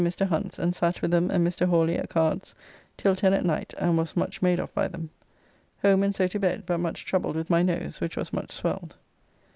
] So home, and from thence to Mr. Hunt's, and sat with them and Mr. Hawly at cards till ten at night, and was much made of by them. Home and so to bed, but much troubled with my nose, which was much swelled.